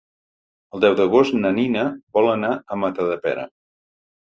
El deu d'agost na Nina vol anar a Matadepera.